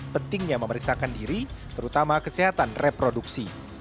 pentingnya memeriksakan diri terutama kesehatan reproduksi